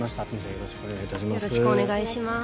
よろしくお願いします。